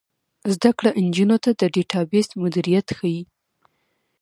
زده کړه نجونو ته د ډیټابیس مدیریت ښيي.